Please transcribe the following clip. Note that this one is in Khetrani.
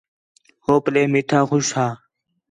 ہو پلے میٹھا خوش ہا